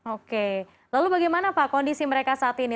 oke lalu bagaimana pak kondisi mereka saat ini